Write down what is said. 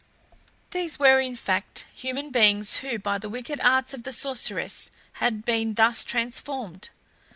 These were, in fact, human beings who, by the wicked arts of the sorceress, had been thus transformed.